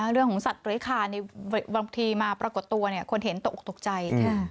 เรื่องของสัตว์เรื้อคานบางทีมาปรากฏตัวคนเห็นตกออกตกใจ